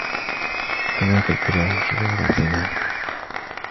حَمَاكِ الْإِلَهُ شُرُورَ الزَّمَان